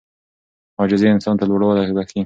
عاجزي انسان ته لوړوالی بښي.